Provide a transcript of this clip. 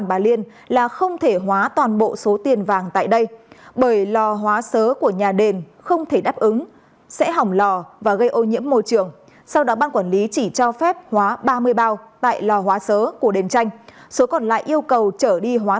bà liên đại diện cho hơn năm trăm linh hộ dân sinh sống ở nhiều chỗ